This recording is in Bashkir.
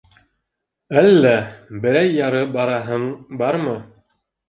Әллә берәй-яры бараһың бармы?